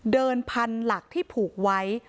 เดินพันหลักที่ผูกไว้